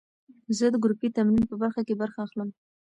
زه د ګروپي تمرین په برخه کې برخه اخلم.